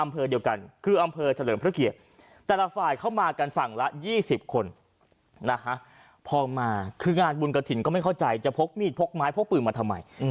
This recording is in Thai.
พอมาคืองานบุญกระถิ่นก็ไม่เข้าใจจะพกมีดพกไม้พกปืนมาทำไม